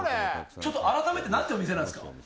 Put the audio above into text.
ちょっと改めてなんてお店なんですか？